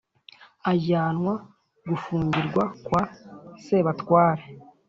ajyanwa gufungirwa kwa sebatware